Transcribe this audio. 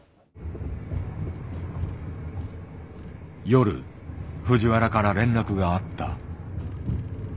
・夜藤原から連絡があった。